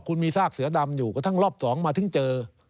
คุณมีซากเสือดำอยู่กระทั่งรอบ๒มาถึงเจอ